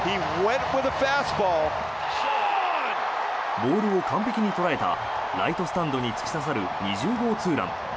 ボールを完璧に捉えたライトスタンドに突き刺さる２０号ツーラン。